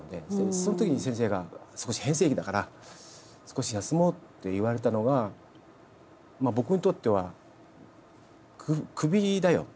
そのときに先生が「少し変声期だから少し休もう」って言われたのが僕にとっては「休みなさいよ」が。